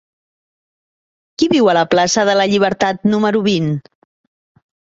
Qui viu a la plaça de la Llibertat número vint?